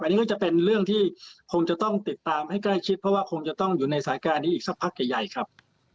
อันนี้ก็จะเป็นเรื่องที่คงจะต้องติดตามให้ใกล้ชิดเพราะว่าคงจะต้องอยู่ในสายการนี้อีกสักพักใหญ่ครับ